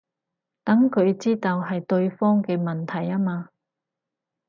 等佢知道係對方嘅問題吖嘛